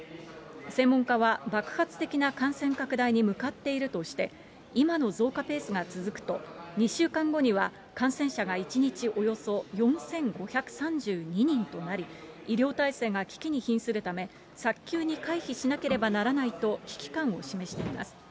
専門家は爆発的な感染拡大に向かっているとして、今の増加ペースが続くと、２週間後には、感染者が１日およそ４５３２人となり、医療体制が危機にひんするため、早急に回避しなければならないと危機感を示しています。